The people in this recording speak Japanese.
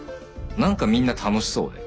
何かみんな楽しそうで。